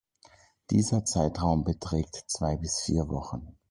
Dieser Zeitraum beträgt zwei bis vier Wochen.